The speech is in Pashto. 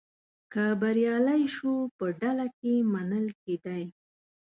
که بریالی شو په ډله کې منل کېدی.